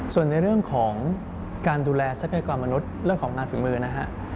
ส่วนในเรื่องของการดูแลทรัพยากรมนุษย์เรื่องของงานฝีมือนะฮะ